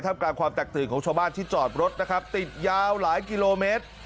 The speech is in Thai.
กลางความแตกตื่นของชาวบ้านที่จอดรถนะครับติดยาวหลายกิโลเมตร